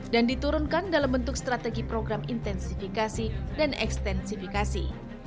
dan diturunkan dalam bentuk strategi program intensifikasi dan ekstensifikasi